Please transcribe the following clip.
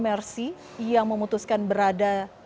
mercy yang memutuskan berada